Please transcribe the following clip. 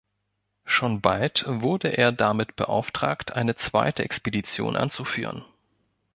Schon bald wurde er damit beauftragt, eine zweite Expedition anzuführen.